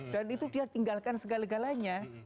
dan itu dia tinggalkan segala galanya